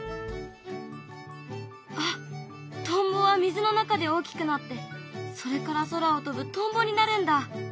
トンボは水の中で大きくなってそれから空を飛ぶトンボになるんだ。